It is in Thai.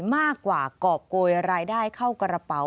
มากกว่ากรอบโกยรายได้เข้ากระเป๋า